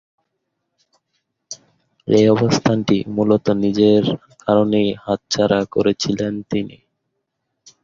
এ অবস্থানটি মূলতঃ নিজের কারণেই হাতছাড়া করেছিলেন তিনি।